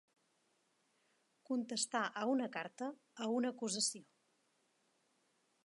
Contestar a una carta, a una acusació.